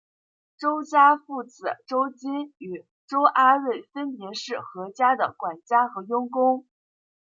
周家父子周金与周阿瑞分别是何家的管家和佣工。